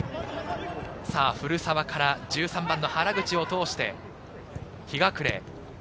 古澤から１３番の原口を通して日隠。